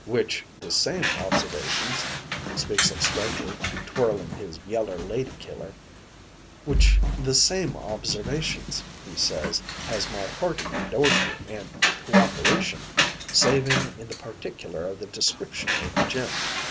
"'Which the same observations,' speaks up Strokher, twirlin' his yeller lady killer, 'which the same observations,' he says, 'has my hearty indorsement an' cooperation savin' in the particular of the description o' the gent.